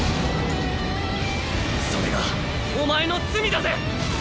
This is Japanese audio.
それがお前の罪だぜ！